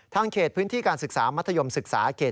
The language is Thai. เขตพื้นที่การศึกษามัธยมศึกษาเขต